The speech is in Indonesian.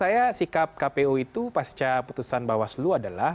saya sikap kpu itu pasca putusan bawaslu adalah